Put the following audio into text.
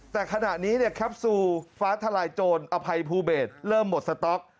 แต่ขณะนี้เนี่ยแคปซูลฟ้าทลายโจรอภัยภูเบสเริ่มหมดสต๊อก